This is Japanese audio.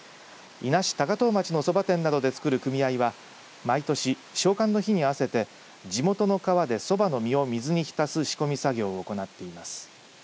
伊那市高遠町のそば店などでつくる組合は毎年、小寒の日に合わせて地元の川で、そばの実を水に浸す仕込み作業を行っています。